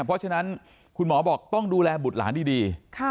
เพราะฉะนั้นคุณหมอบอกต้องดูแลบุตรหลานดี